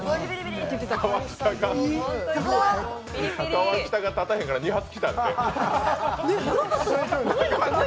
川北が立たへんから２発来たって。